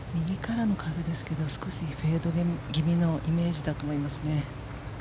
右からの風ですけど少しフェード気味のイメージだと思いますね。